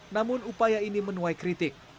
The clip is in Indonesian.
namun upaya ini menuai kritik